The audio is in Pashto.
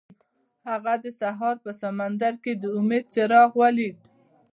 هغه د سهار په سمندر کې د امید څراغ ولید.